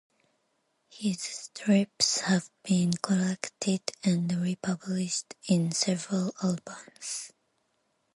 His strips have been collected and republished in several albums.